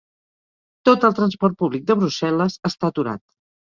Tot el transport públic de Brussel·les està aturat.